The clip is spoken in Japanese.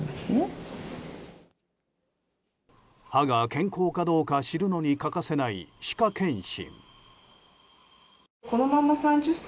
歯が健康かどうか知るのに欠かせない歯科検診。